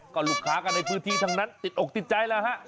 ก็ลูกค้ากันในพื้นที่ทั้งนั้นติดอกติดใจแล้วฮะ